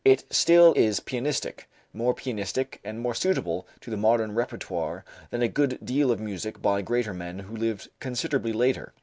It still is pianistic; more pianistic and more suitable to the modern repertoire than a good deal of music by greater men who lived considerably later.